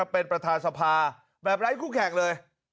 เป็นประธานสภาแบบไร้คู่แข่งเลย